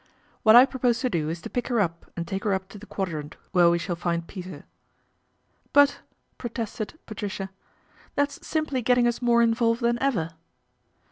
What I propose to do is to pick her up and take her up to the Quadrant where we shall find Peter." " But," protested Patricia, " that's simply getting us more involved than ever."